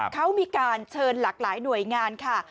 เขามีการเชิญหลากหลายหน่วยงานค่ะ